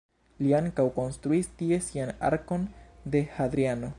Li ankaŭ konstruis tie sian Arkon de Hadriano.